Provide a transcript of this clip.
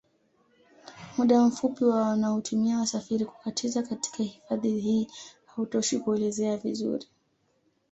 Muda mfupi wa wanaotumia wasafiri kukatiza katika hifadhi hii hautoshi kuelezea vizuri